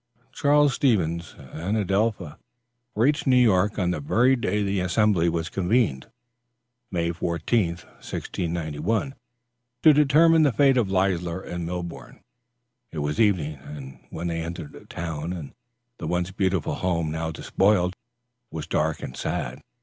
Charles Stevens and Adelpha reached New York on the very day the assembly was convened (May 14th, 1691) to determine the fate of Leisler and Milborne. It was evening, and when they entered the town and the once beautiful home now despoiled, was dark and sad.